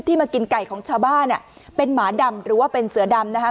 มากินไก่ของชาวบ้านอ่ะเป็นหมาดำหรือว่าเป็นเสือดำนะคะ